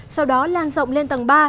sau đó lan rộng lên tầng ba